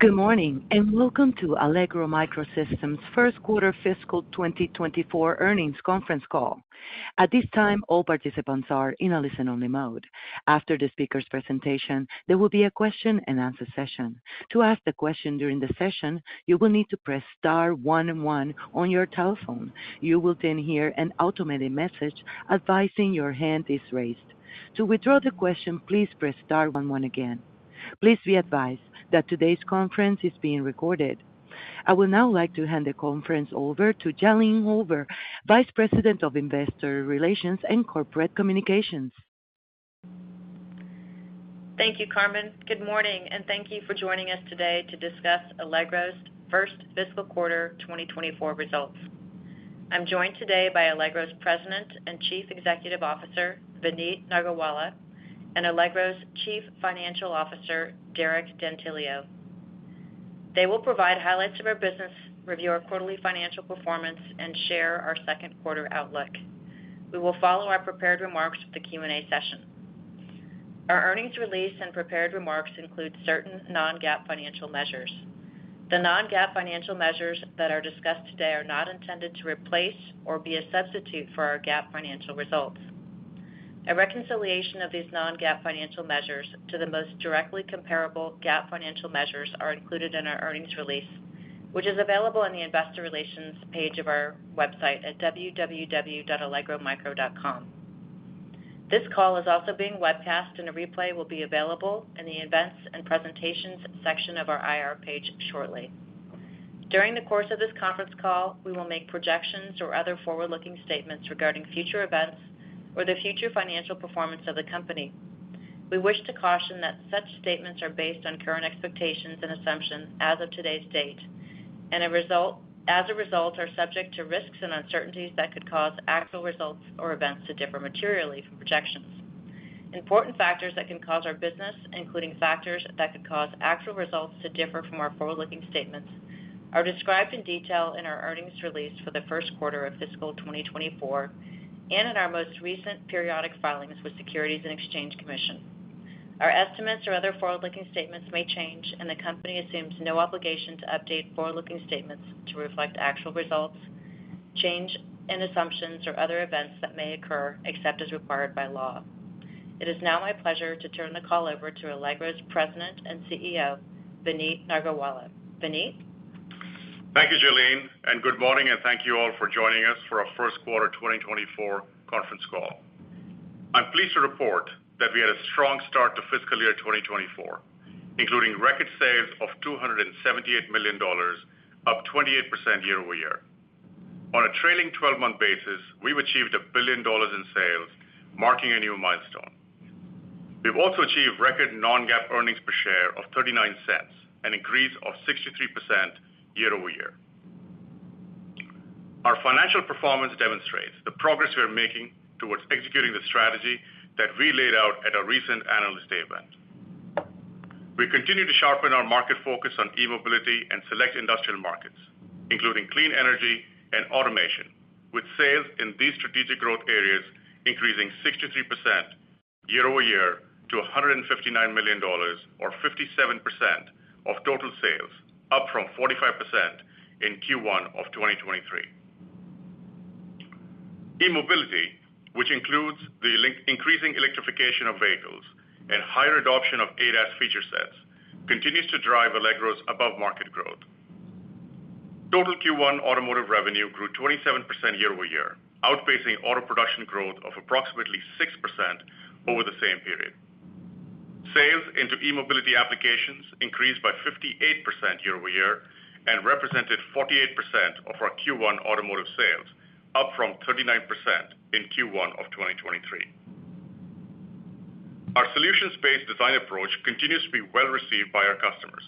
Good morning, welcome to Allegro MicroSystems' First Quarter Fiscal 2024 Earnings Conference Call. At this time, all participants are in a listen-only mode. After the speaker's presentation, there will be a question-and-answer session. To ask the question during the session, you will need to press star one, one on your telephone. You will hear an automated message advising your hand is raised. To withdraw the question, please press star one, one again. Please be advised that today's conference is being recorded. I would now like to hand the conference over to Jalene Hoover, Vice President of Investor Relations and Corporate Communications. Thank you, Carmen. Good morning, and thank you for joining us today to discuss Allegro's first fiscal quarter 2024 results. I'm joined today by Allegro's President and Chief Executive Officer, Vineet Nargolwala, and Allegro's Chief Financial Officer, Derek D'Antilio. They will provide highlights of our business, review our quarterly financial performance, and share our second quarter outlook. We will follow our prepared remarks with the Q&A session. Our earnings release and prepared remarks include certain non-GAAP financial measures. The non-GAAP financial measures that are discussed today are not intended to replace or be a substitute for our GAAP financial results. A reconciliation of these non-GAAP financial measures to the most directly comparable GAAP financial measures are included in our earnings release, which is available on the investor relations page of our website at www.allegromicro.com. This call is also being webcast, and a replay will be available in the Events and Presentations section of our IR page shortly. During the course of this conference call, we will make projections or other forward-looking statements regarding future events or the future financial performance of the company. We wish to caution that such statements are based on current expectations and assumptions as of today's date, and as a result, are subject to risks and uncertainties that could cause actual results or events to differ materially from projections. Important factors that can cause our business, including factors that could cause actual results to differ from our forward-looking statements, are described in detail in our earnings release for the first quarter of fiscal 2024 and in our most recent periodic filings with Securities and Exchange Commission. Our estimates or other forward-looking statements may change, and the company assumes no obligation to update forward-looking statements to reflect actual results, change in assumptions, or other events that may occur, except as required by law. It is now my pleasure to turn the call over to Allegro's President and CEO, Vineet Nargolwala. Vineet? Thank you, Jalene. Good morning, and thank you all for joining us for our first quarter 2024 conference call. I'm pleased to report that we had a strong start to fiscal year 2024, including record sales of $278 million, up 28% year-over-year. On a trailing 12-month basis, we've achieved $1 billion in sales, marking a new milestone. We've also achieved record non-GAAP earnings per share of $0.39, an increase of 63% year-over-year. Our financial performance demonstrates the progress we are making towards executing the strategy that we laid out at our recent analyst event. We continue to sharpen our market focus on e-mobility and select industrial markets, including clean energy and automation, with sales in these strategic growth areas increasing 63% year-over-year to $159 million or 57% of total sales, up from 45% in Q1 of 2023. E-mobility, which includes the increasing electrification of vehicles and higher adoption of ADAS feature sets, continues to drive Allegro's above-market growth. Total Q1 automotive revenue grew 27% year-over-year, outpacing auto production growth of approximately 6% over the same period. Sales into e-mobility applications increased by 58% year-over-year and represented 48% of our Q1 automotive sales, up from 39% in Q1 of 2023. Our solutions-based design approach continues to be well received by our customers.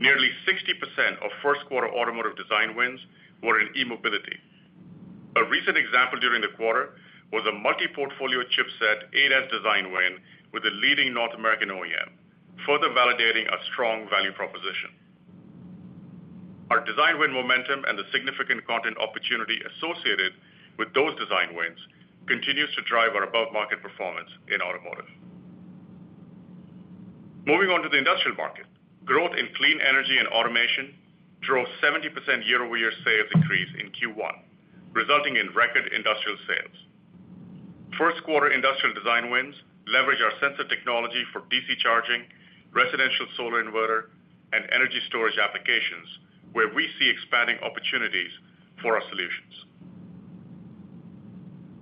Nearly 60% of first-quarter automotive design wins were in e-mobility. A recent example during the quarter was a multi-portfolio chipset ADAS design win with a leading North American OEM, further validating our strong value proposition. Our design win momentum and the significant content opportunity associated with those design wins continues to drive our above-market performance in automotive. Moving on to the industrial market, growth in clean energy and automation drove 70% year-over-year sales increase in Q1, resulting in record industrial sales. First quarter industrial design wins leverage our sensor technology for DC charging, residential solar inverter, and energy storage applications, where we see expanding opportunities for our solutions.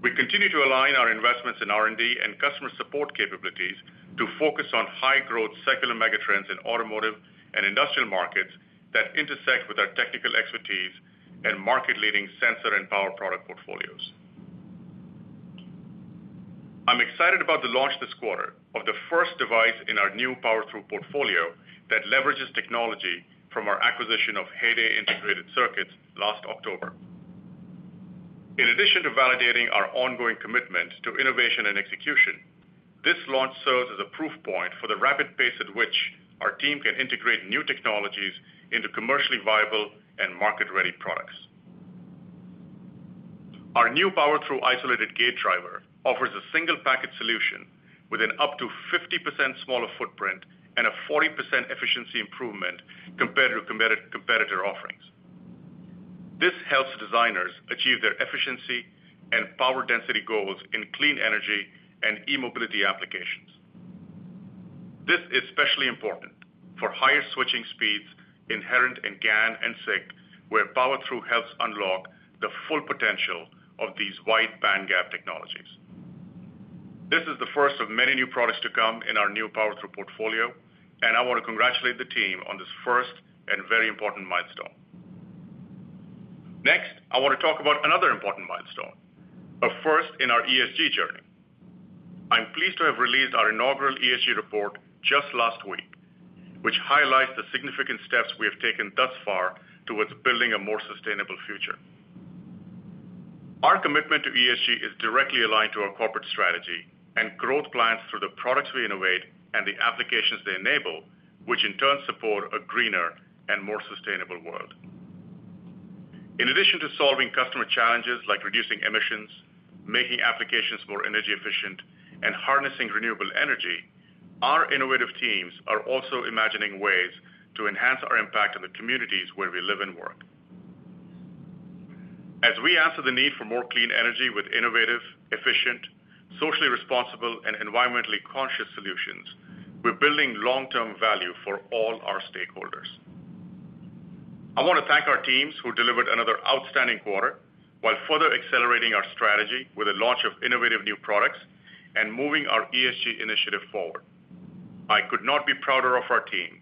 We continue to align our investments in R&D and customer support capabilities to focus on high-growth secular megatrends in automotive and industrial markets that intersect with our technical expertise and market-leading sensor and power product portfolios. I'm excited about the launch this quarter of the first device in our new Power-Thru portfolio that leverages technology from our acquisition of Heyday Integrated Circuits last October. In addition to validating our ongoing commitment to innovation and execution, this launch serves as a proof point for the rapid pace at which our team can integrate new technologies into commercially viable and market-ready products. Our new Power-Thru isolated gate driver offers a single package solution with an up to 50% smaller footprint and a 40% efficiency improvement compared to competitor offerings. This helps designers achieve their efficiency and power density goals in clean energy and e-mobility applications. This is especially important for higher switching speeds inherent in GaN and SiC, where Power-Thru helps unlock the full potential of these wide bandgap technologies. This is the first of many new products to come in our new Power-Thru portfolio, and I want to congratulate the team on this first and very important milestone. Next, I want to talk about another important milestone, a first in our ESG journey. I'm pleased to have released our inaugural ESG report just last week, which highlights the significant steps we have taken thus far towards building a more sustainable future. Our commitment to ESG is directly aligned to our corporate strategy and growth plans through the products we innovate and the applications they enable, which in turn support a greener and more sustainable world. In addition to solving customer challenges like reducing emissions, making applications more energy efficient, and harnessing renewable energy, our innovative teams are also imagining ways to enhance our impact on the communities where we live and work. As we answer the need for more clean energy with innovative, efficient, socially responsible, and environmentally conscious solutions, we're building long-term value for all our stakeholders. I want to thank our teams who delivered another outstanding quarter while further accelerating our strategy with the launch of innovative new products and moving our ESG initiative forward. I could not be prouder of our team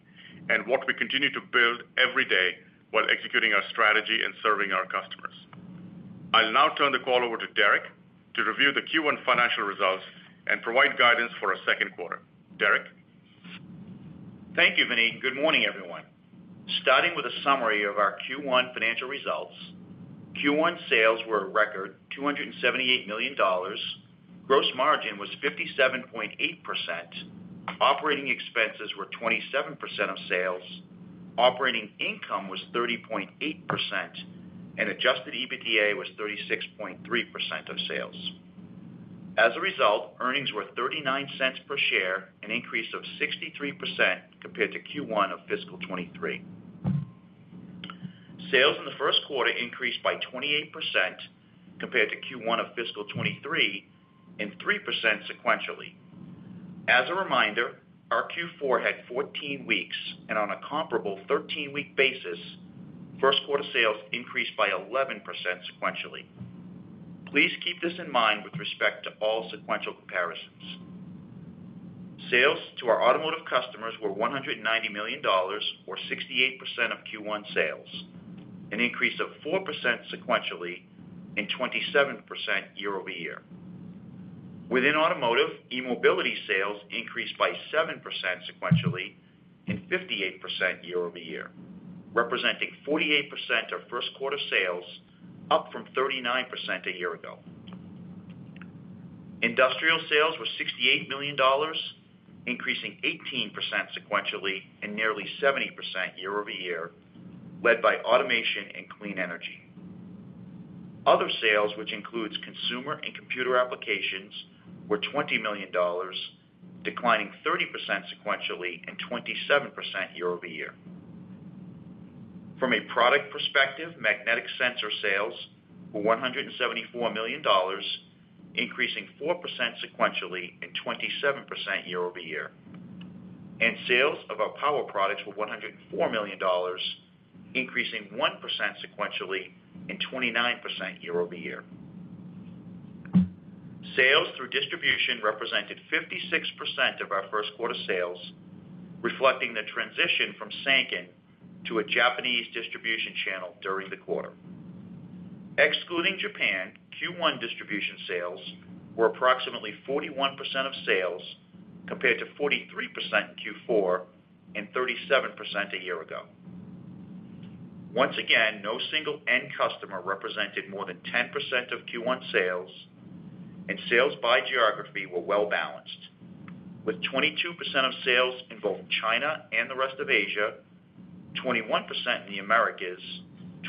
and what we continue to build every day while executing our strategy and serving our customers. I'll now turn the call over to Derek to review the Q1 financial results and provide guidance for our second quarter. Derek? Thank you, Vineet. Good morning, everyone. Starting with a summary of our Q1 financial results, Q1 sales were a record $278 million. Gross margin was 57.8%. Operating expenses were 27% of sales, operating income was 30.8%, and adjusted EBITDA was 36.3% of sales. As a result, earnings were $0.39 per share, an increase of 63% compared to Q1 of fiscal 2023. Sales in the first quarter increased by 28% compared to Q1 of fiscal 2023, and 3% sequentially. As a reminder, our Q4 had 14 weeks, and on a comparable 13-week basis, first quarter sales increased by 11% sequentially. Please keep this in mind with respect to all sequential comparisons. Sales to our automotive customers were $190 million, or 68% of Q1 sales, an increase of 4% sequentially and 27% year-over-year. Within automotive, e-mobility sales increased by 7% sequentially and 58% year-over-year, representing 48% of first quarter sales, up from 39% a year ago. Industrial sales were $68 million, increasing 18% sequentially and nearly 70% year-over-year, led by automation and clean energy. Other sales, which includes consumer and computer applications, were $20 million, declining 30% sequentially and 27% year-over-year. From a product perspective, magnetic sensor sales were $174 million, increasing 4% sequentially and 27% year-over-year, sales of our power products were $104 million, increasing 1% sequentially and 29% year-over-year. Sales through distribution represented 56% of our first quarter sales, reflecting the transition from Sanken to a Japanese distribution channel during the quarter. Excluding Japan, Q1 distribution sales were approximately 41% of sales, compared to 43% in Q4 and 37% a year ago. Once again, no single end customer represented more than 10% of Q1 sales, sales by geography were well balanced, with 22% of sales in both China and the rest of Asia, 21% in the Americas,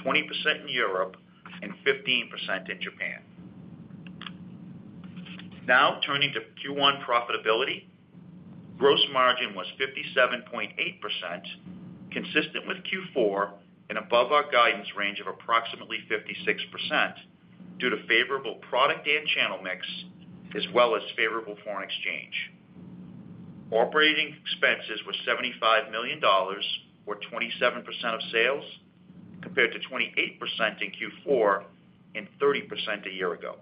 20% in Europe, and 15% in Japan. Now, turning to Q1 profitability. Gross margin was 57.8%, consistent with Q4 and above our guidance range of approximately 56%, due to favorable product and channel mix, as well as favorable foreign exchange. Operating expenses were $75 million, or 27% of sales, compared to 28% in Q4 and 30% a year ago.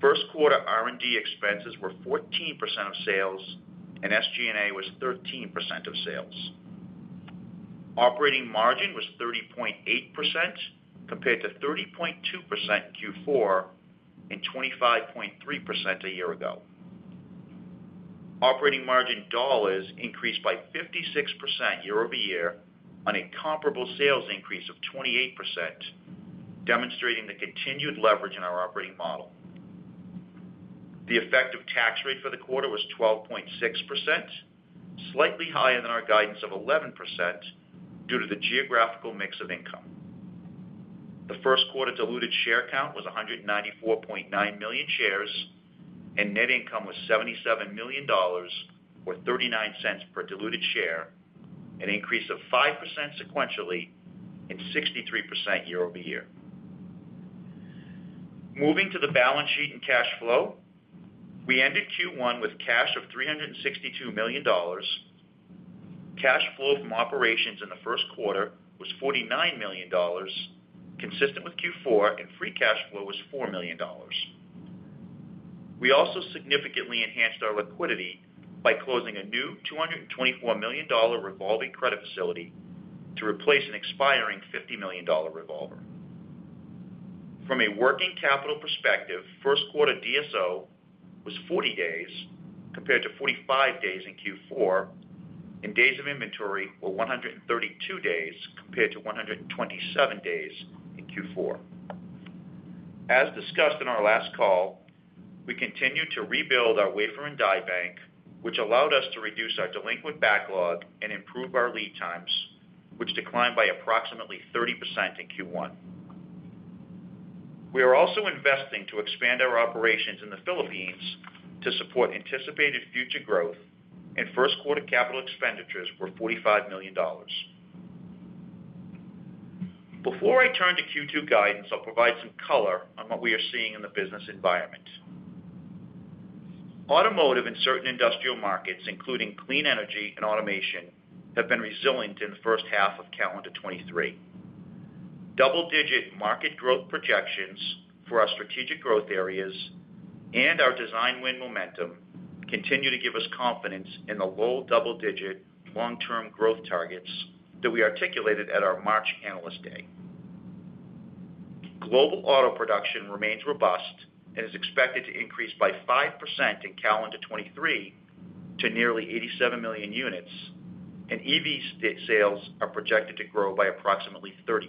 First quarter R&D expenses were 14% of sales, and SG&A was 13% of sales. Operating margin was 30.8%, compared to 30.2% in Q4 and 25.3% a year ago. Operating margin dollars increased by 56% year-over-year on a comparable sales increase of 28%, demonstrating the continued leverage in our operating model. The effective tax rate for the quarter was 12.6%, slightly higher than our guidance of 11%, due to the geographical mix of income. The first quarter diluted share count was 194.9 million shares, and net income was $77 million, or $0.39 per diluted share, an increase of 5% sequentially and 63% year-over-year. Moving to the balance sheet and cash flow, we ended Q1 with cash of $362 million. Cash flow from operations in the first quarter was $49 million, consistent with Q4, and free cash flow was $4 million. We also significantly enhanced our liquidity by closing a new $224 million revolving credit facility to replace an expiring $50 million revolver. From a working capital perspective, first quarter DSO was 40 days, compared to 45 days in Q4, and days of inventory were 132 days, compared to 127 days in Q4. As discussed in our last call, we continued to rebuild our wafer and die bank, which allowed us to reduce our delinquent backlog and improve our lead times, which declined by approximately 30% in Q1. We are also investing to expand our operations in the Philippines to support anticipated future growth, and first quarter capital expenditures were $45 million. Before I turn to Q2 guidance, I'll provide some color on what we are seeing in the business environment. Automotive and certain industrial markets, including clean energy and automation, have been resilient in the first half of calendar 2023. Double-digit market growth projections for our strategic growth areas and our design win momentum continue to give us confidence in the low double-digit long-term growth targets that we articulated at our March Analyst Day. Global auto production remains robust and is expected to increase by 5% in calendar 2023 to nearly 87 million units, and EV sales are projected to grow by approximately 30%.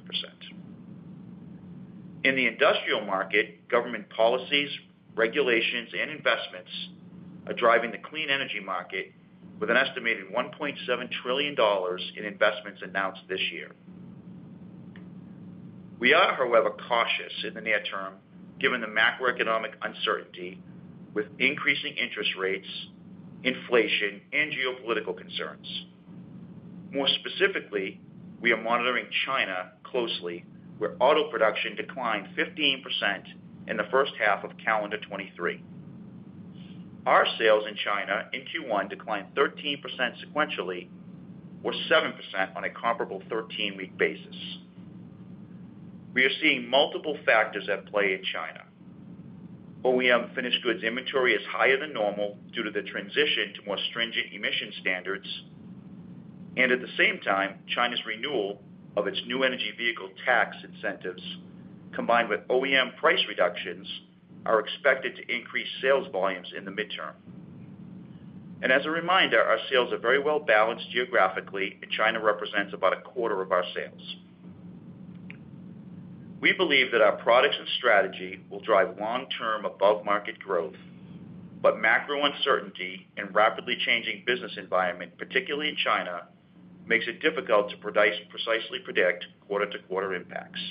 In the industrial market, government policies, regulations, and investments are driving the clean energy market with an estimated $1.7 trillion in investments announced this year. We are, however, cautious in the near term, given the macroeconomic uncertainty with increasing interest rates, inflation, and geopolitical concerns. More specifically, we are monitoring China closely, where auto production declined 15% in the first half of calendar 2023. Our sales in China in Q1 declined 13% sequentially, or 7% on a comparable 13-week basis. We are seeing multiple factors at play in China. OEM finished goods inventory is higher than normal due to the transition to more stringent emission standards. At the same time, China's renewal of its New Energy Vehicle tax incentives, combined with OEM price reductions, are expected to increase sales volumes in the midterm. As a reminder, our sales are very well balanced geographically, and China represents about a quarter of our sales. We believe that our products and strategy will drive long-term above-market growth, but macro uncertainty and rapidly changing business environment, particularly in China, makes it difficult to precisely predict quarter-to-quarter impacts.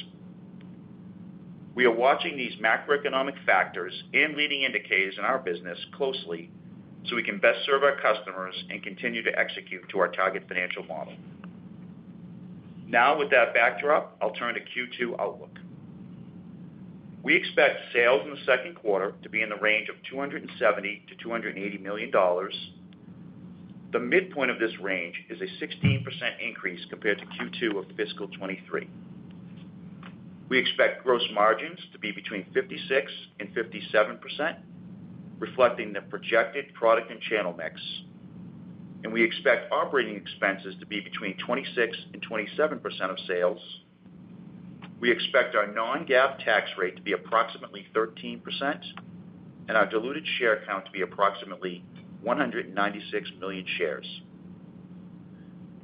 We are watching these macroeconomic factors and leading indicators in our business closely, so we can best serve our customers and continue to execute to our target financial model. With that backdrop, I'll turn to Q2 outlook. We expect sales in the second quarter to be in the range of $270 million-$280 million. The midpoint of this range is a 16% increase compared to Q2 of fiscal 2023. We expect gross margins to be between 56% and 57%, reflecting the projected product and channel mix, and we expect operating expenses to be between 26% and 27% of sales. We expect our non-GAAP tax rate to be approximately 13% and our diluted share count to be approximately 196 million shares.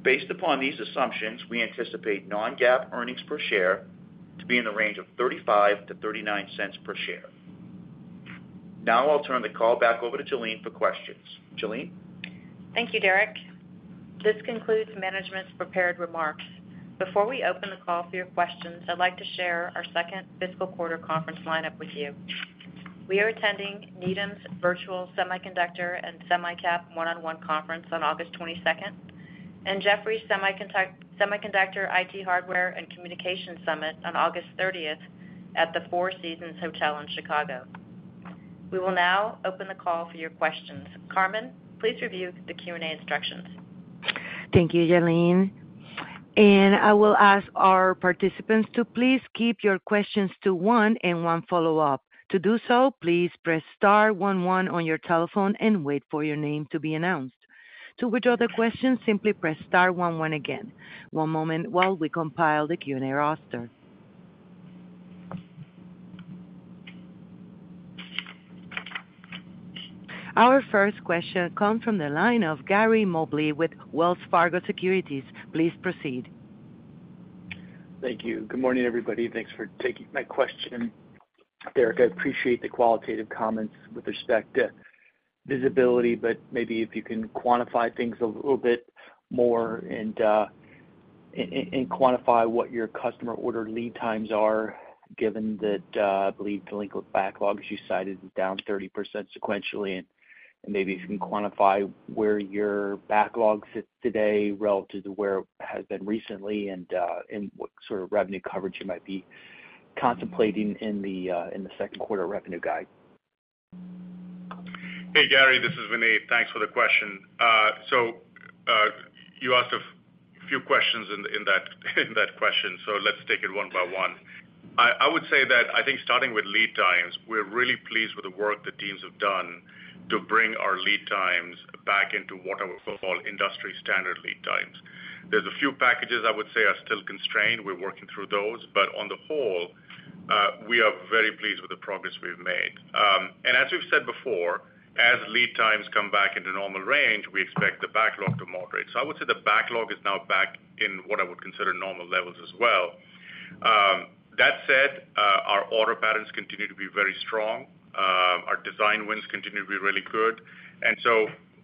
Based upon these assumptions, we anticipate non-GAAP earnings per share to be in the range of $0.35-$0.39 per share. I'll turn the call back over to Jalene for questions. Jalene? Thank you, Derek. This concludes management's prepared remarks. Before we open the call for your questions, I'd like to share our second fiscal quarter conference lineup with you. We are attending Needham's Virtual Semiconductor & SemiCap 1x1 Conference on August 22nd, and Jefferies Semiconductor, IT Hardware, and Communication Summit on August 30th at the Four Seasons Hotel in Chicago. We will now open the call for your questions. Carmen, please review the Q&A instructions. Thank you, Jalene. I will ask our participants to please keep your questions to one and one follow-up. To do so, please press star one, one on your telephone and wait for your name to be announced. To withdraw the question, simply press star one, one again. One moment while we compile the Q&A roster. Our first question comes from the line of Gary Mobley with Wells Fargo Securities. Please proceed. Thank you. Good morning, everybody, thanks for taking my question. Derek, I appreciate the qualitative comments with respect to visibility, but maybe if you can quantify things a little bit more and quantify what your customer order lead times are, given that I believe delinquent backlogs, you cited, is down 30% sequentially, and maybe if you can quantify where your backlog sits today relative to where it has been recently, and what sort of revenue coverage you might be contemplating in the second quarter revenue guide. Hey, Gary, this is Vineet. Thanks for the question. You asked a few questions in, in that, in that question, so let's take it one by one. I, I would say that I think starting with lead times, we're really pleased with the work the teams have done to bring our lead times back into what I would call industry standard lead times. There's a few packages I would say are still constrained. We're working through those, but on the whole, we are very pleased with the progress we've made. As we've said before, as lead times come back into normal range, we expect the backlog to moderate. I would say the backlog is now back in what I would consider normal levels as well. That said, our order patterns continue to be very strong. Our design wins continue to be really good.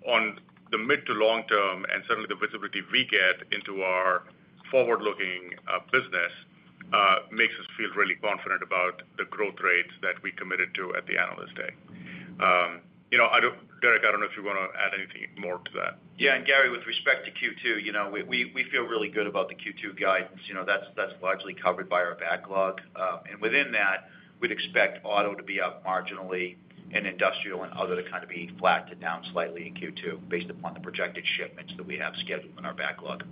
On the mid to long term, and certainly the visibility we get into our forward-looking business makes us feel really confident about the growth rates that we committed to at the Analyst Day. You know, I don't- Derek, I don't know if you want to add anything more to that. Yeah, Gary, with respect to Q2, you know, we, we, we feel really good about the Q2 guidance. You know, that's, that's largely covered by our backlog. Within that, we'd expect auto to be up marginally, and industrial and other to kind of be flat to down slightly in Q2, based upon the projected shipments that we have scheduled in our backlog.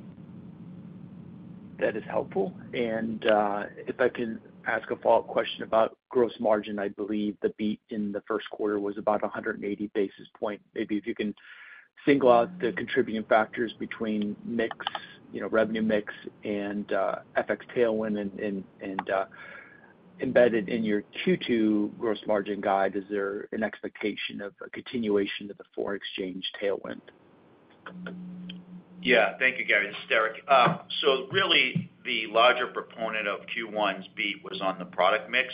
That is helpful. If I can ask a follow-up question about gross margin, I believe the beat in the first quarter was about 180 basis point. Maybe if you can single out the contributing factors between mix, you know, revenue mix and FX tailwind. Embedded in your Q2 gross margin guide, is there an expectation of a continuation of the foreign exchange tailwind? Yeah. Thank you, Gary. This is Derek. Really, the larger proponent of Q1's beat was on the product mix.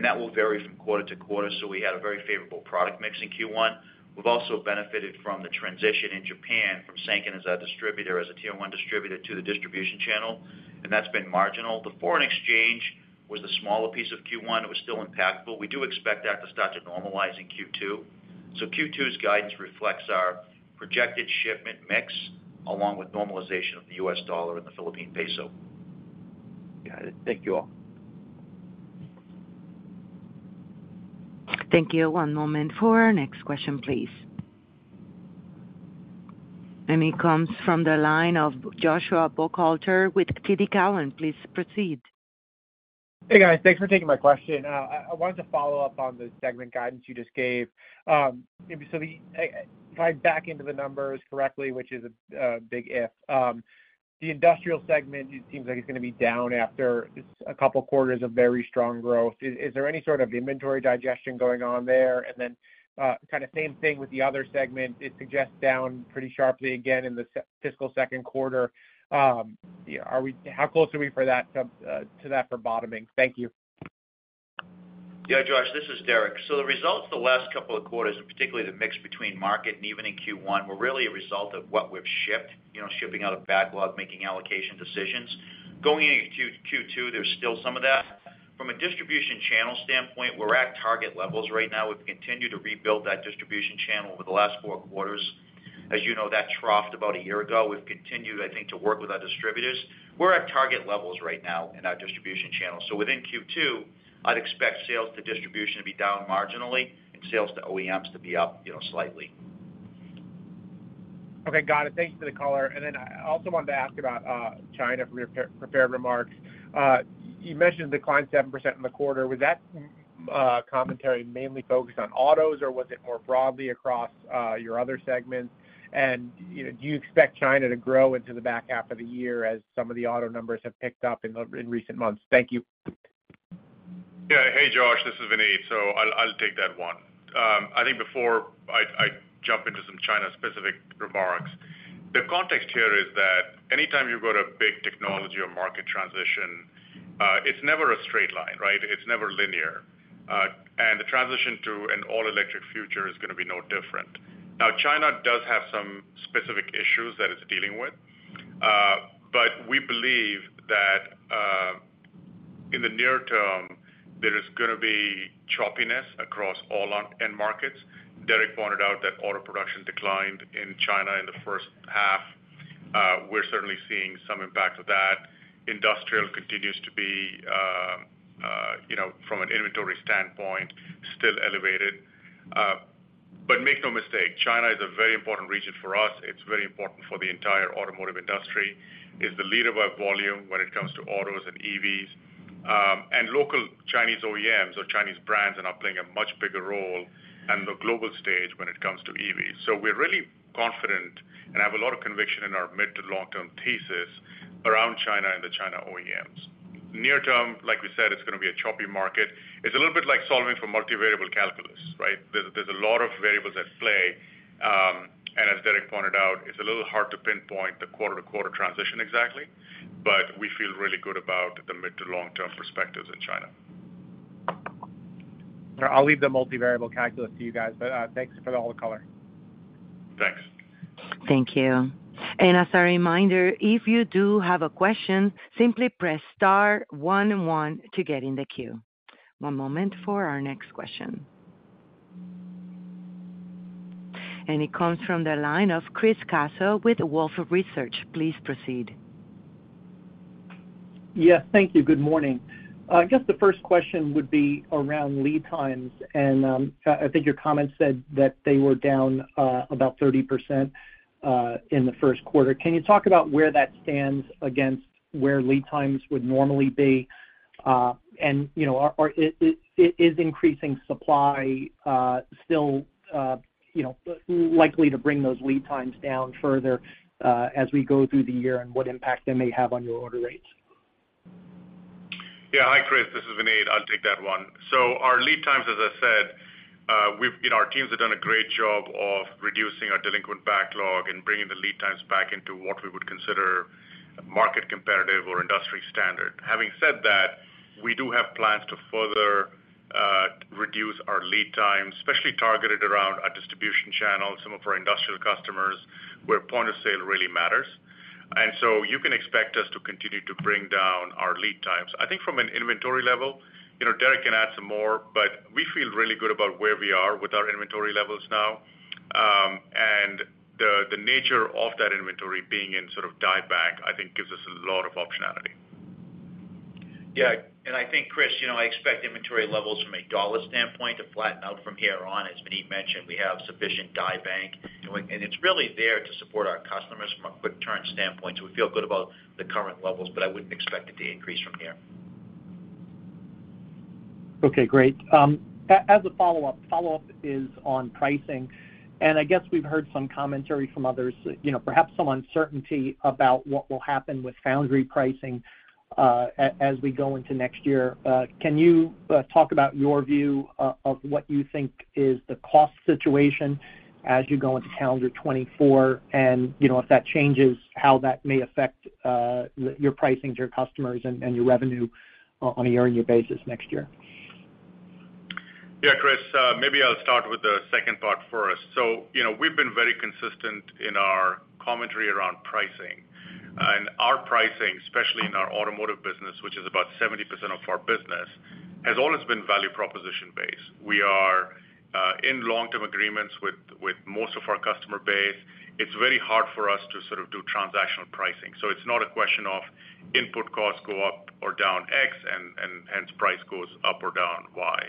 That will vary from quarter to quarter. We had a very favorable product mix in Q1. We've also benefited from the transition in Japan from Sanken as our distributor, as a Tier 1 distributor, to the distribution channel. That's been marginal. The foreign exchange was the smaller piece of Q1. It was still impactful. We do expect that to start to normalize in Q2. Q2's guidance reflects our projected shipment mix, along with normalization of the U.S. dollar and the Philippine peso. Got it. Thank you all. Thank you. One moment for our next question, please. It comes from the line of Joshua Buchalter with TD Cowen. Please proceed. Hey, guys. Thanks for taking my question. I, I wanted to follow up on the segment guidance you just gave. If I back into the numbers correctly, which is a, a big if, the industrial segment, it seems like it's gonna be down after a couple quarters of very strong growth. Is, is there any sort of inventory digestion going on there? Then, kind of same thing with the other segment, it suggests down pretty sharply again in the fiscal 2nd quarter. Are we how close are we for that to that for bottoming? Thank you. Yeah, Josh, this is Derek. The results the last couple of quarters, and particularly the mix between market and even in Q1, were really a result of what we've shipped, you know, shipping out of backlog, making allocation decisions. Going into Q2, there's still some of that. From a distribution channel standpoint, we're at target levels right now. We've continued to rebuild that distribution channel over the last four quarters. As you know, that troughed about one year ago. We've continued, I think, to work with our distributors. We're at target levels right now in our distribution channel. Within Q2, I'd expect sales to distribution to be down marginally and sales to OEMs to be up, you know, slightly. Okay, got it. Thank you for the color. I also wanted to ask about China for your pre-prepared remarks. You mentioned declined 7% in the quarter. Was that commentary mainly focused on autos, or was it more broadly across your other segments? You know, do you expect China to grow into the back half of the year as some of the auto numbers have picked up in the, in recent months? Thank you. Yeah. Hey, Josh, this is Vineet, so I'll, I'll take that one. I think before I, I jump into some China-specific remarks, the context here is that anytime you've got a big technology or market transition, it's never a straight line, right? It's never linear. And the transition to an all-electric future is gonna be no different. Now, China does have some specific issues that it's dealing with, but we believe that, in the near term, there is gonna be choppiness across all our end markets. Derek pointed out that auto production declined in China in the first half. We're certainly seeing some impact of that. Industrial continues to be, you know, from an inventory standpoint, still elevated. Make no mistake, China is a very important region for us. It's very important for the entire automotive industry. It's the leader by volume when it comes to autos and EVs, local Chinese OEMs or Chinese brands are now playing a much bigger role on the global stage when it comes to EVs. We're really confident and have a lot of conviction in our mid to long-term thesis around China and the China OEMs. Near term, like we said, it's gonna be a choppy market. It's a little bit like solving for multivariable calculus, right? There's, there's a lot of variables at play. Derek pointed out, it's a little hard to pinpoint the quarter-to-quarter transition exactly, but we feel really good about the mid to long-term perspectives in China. I'll leave the multivariable calculus to you guys, but thanks for all the color. Thanks. Thank you. As a reminder, if you do have a question, simply press star 1 1 to get in the queue. One moment for our next question. It comes from the line of Chris Caso with Wolfe Research. Please proceed. Yes, thank you. Good morning. I guess the first question would be around lead times, and I, I think your comments said that they were down about 30% in the first quarter. Can you talk about where that stands against where lead times would normally be? You know, are, are, is, is, is increasing supply still, you know, likely to bring those lead times down further as we go through the year, and what impact they may have on your order rates? Yeah. Hi, Chris Caso, this is Vineet Nargolwala. I'll take that one. Our lead times, as I said, we've, you know, our teams have done a great job of reducing our delinquent backlog and bringing the lead times back into what we would consider market competitive or industry standard. Having said that, we do have plans to further reduce our lead times, especially targeted around our distribution channels, some of our industrial customers, where point of sale really matters. You can expect us to continue to bring down our lead times. I think from an inventory level, you know, Derek D'Antilio can add some more, but we feel really good about where we are with our inventory levels now. The, the nature of that inventory being in sort of die bank, I think gives us a lot of optionality. I think, Chris, you know, I expect inventory levels from a dollar standpoint to flatten out from here on. As Vineet mentioned, we have sufficient die bank, it's really there to support our customers from a quick turn standpoint. We feel good about the current levels, but I wouldn't expect it to increase from here. Okay, great. As a follow-up, follow-up is on pricing, and I guess we've heard some commentary from others, you know, perhaps some uncertainty about what will happen with foundry pricing, as we go into next year. Can you talk about your view of what you think is the cost situation as you go into calendar 2024? You know, if that changes, how that may affect your pricing to your customers and, and your revenue on a year-on-year basis next year. Yeah, Chris, maybe I'll start with the second part first. You know, we've been very consistent in our commentary around pricing. Our pricing, especially in our automotive business, which is about 70% of our business, has always been value proposition based. We are in long-term agreements with, with most of our customer base. It's very hard for us to sort of do transactional pricing. It's not a question of input costs go up or down X and, and, hence, price goes up or down Y.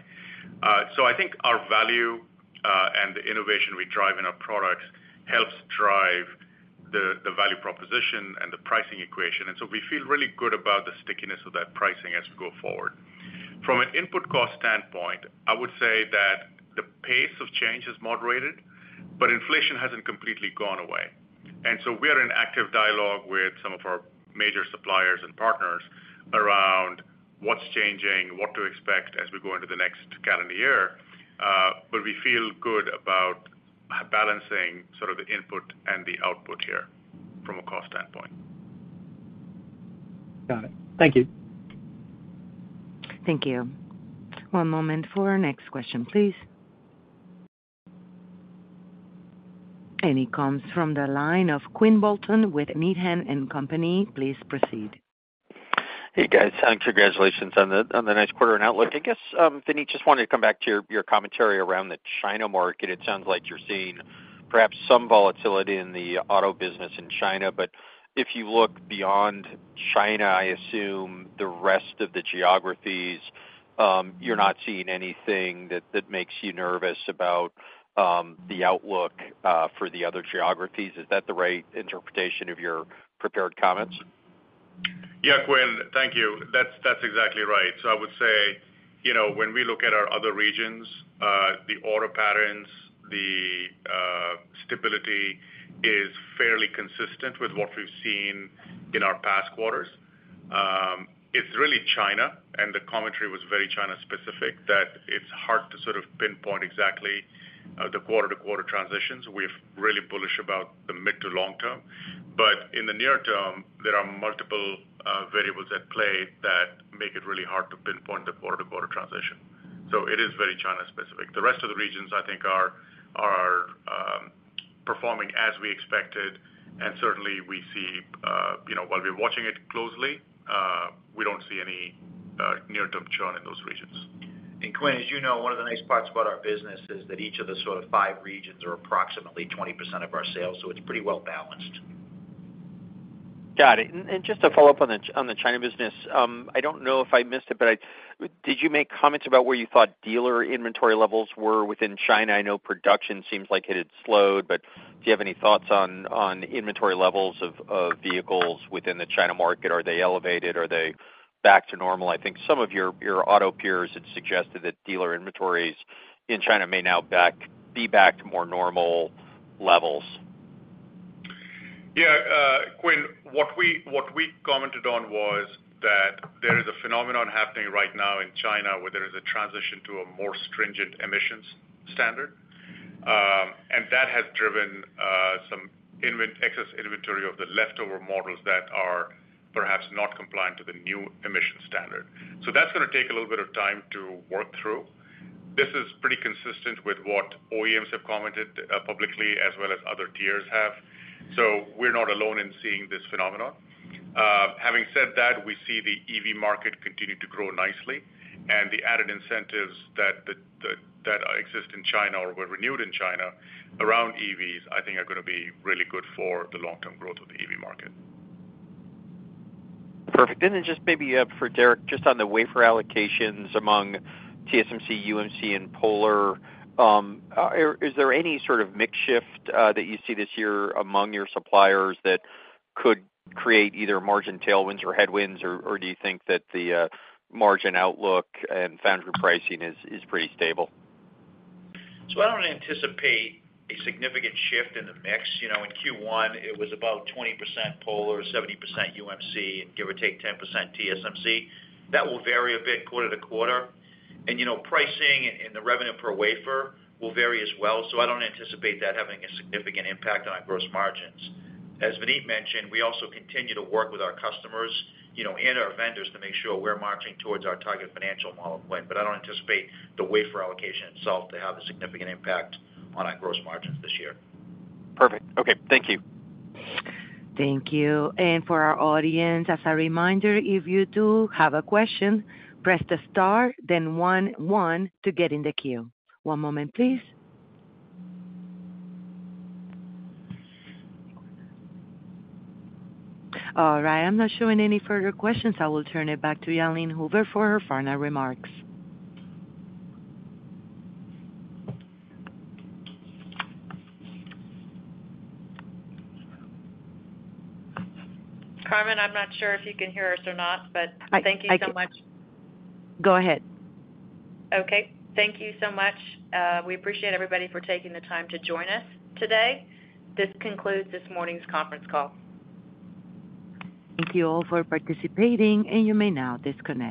I think our value and the innovation we drive in our products helps drive the, the value proposition and the pricing equation, and so we feel really good about the stickiness of that pricing as we go forward. From an input cost standpoint, I would say that the pace of change has moderated, but inflation hasn't completely gone away. We are in active dialogue with some of our major suppliers and partners around what's changing, what to expect as we go into the next calendar year, but we feel good about balancing sort of the input and the output here from a cost standpoint. Got it. Thank you. Thank you. One moment for our next question, please. It comes from the line of Quinn Bolton with Needham & Company. Please proceed. Hey, guys, thanks. Congratulations on the, on the nice quarter and outlook. I guess, Vineet, just wanted to come back to your, your commentary around the China market. It sounds like you're seeing perhaps some volatility in the auto business in China, but if you look beyond China, I assume the rest of the geographies, you're not seeing anything that, that makes you nervous about, the outlook, for the other geographies. Is that the right interpretation of your prepared comments? Yeah, Quinn, thank you. That's, that's exactly right. I would say, you know, when we look at our other regions, the order patterns, the stability is fairly consistent with what we've seen in our past quarters. It's really China, and the commentary was very China-specific, that it's hard to sort of pinpoint exactly the quarter-to-quarter transitions. We're really bullish about the mid to long term. In the near term, there are multiple variables at play that make it really hard to pinpoint the quarter-to-quarter transition. It is very China-specific. The rest of the regions, I think, are, are performing as we expected, and certainly we see, you know, while we're watching it closely, we don't see any near-term churn in those regions. Quinn, as you know, one of the nice parts about our business is that each of the sort of five regions are approximately 20% of our sales, so it's pretty well balanced. Got it. Just to follow up on the, on the China business, I don't know if I missed it, but did you make comments about where you thought dealer inventory levels were within China? I know production seems like it had slowed, but do you have any thoughts on, on inventory levels of, of vehicles within the China market? Are they elevated? Are they back to normal? I think some of your, your auto peers had suggested that dealer inventories in China may now be back to more normal levels. Yeah, Quinn, what we, what we commented on was that there is a phenomenon happening right now in China, where there is a transition to a more stringent emissions standard. That has driven excess inventory of the leftover models that are perhaps not compliant to the new emission standard. That's gonna take a little bit of time to work through. This is pretty consistent with what OEMs have commented publicly as well as other tiers have. Having said that, we see the EV market continue to grow nicely, the added incentives that exist in China or were renewed in China around EVs, I think are gonna be really good for the long-term growth of the EV market. Perfect. Then just maybe for Derek, just on the wafer allocations among TSMC, UMC, and Polar, is there any sort of mix shift that you see this year among your suppliers that could create either margin tailwinds or headwinds, or do you think that the margin outlook and foundry pricing is pretty stable? I don't anticipate a significant shift in the mix. You know, in Q1, it was about 20% Polar, 70% UMC, and give or take 10% TSMC. That will vary a bit quarter to quarter. You know, pricing and the revenue per wafer will vary as well, so I don't anticipate that having a significant impact on our gross margins. As Vineet mentioned, we also continue to work with our customers, you know, and our vendors to make sure we're marching towards our target financial model point, but I don't anticipate the wafer allocation itself to have a significant impact on our gross margins this year. Perfect. Okay, thank you. Thank you. For our audience, as a reminder, if you do have a question, press the star, then one, one to get in the queue. One moment, please. All right, I'm not showing any further questions. I will turn it back to Jalene Hoover for her final remarks. Carmen, I'm not sure if you can hear us or not, but thank you so much. Go ahead. Okay. Thank you so much. We appreciate everybody for taking the time to join us today. This concludes this morning's conference call. Thank you all for participating, and you may now disconnect.